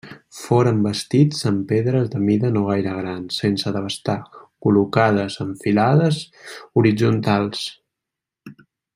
Foren bastits amb pedres de mida no gaire gran, sense desbastar, col·locades amb filades horitzontals.